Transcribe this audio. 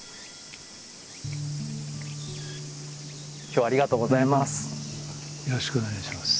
今日はありがとうございます。